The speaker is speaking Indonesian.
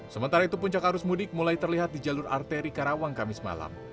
sementara itu puncak arus mudik mulai terlihat di jalur arteri karawang kamis malam